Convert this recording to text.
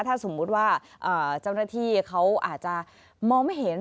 ถ้าสมมุติว่าเจ้าหน้าที่เขาอาจจะมองไม่เห็น